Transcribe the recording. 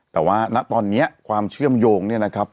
แต่ว่าตอนนี้ความเชื่อมโยง